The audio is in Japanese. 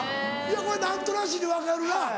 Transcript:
これ何となしに分かるな。